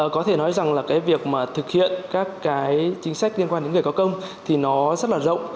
có thể nói rằng là cái việc mà thực hiện các cái chính sách liên quan đến người có công thì nó rất là rộng